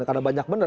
karena banyak bener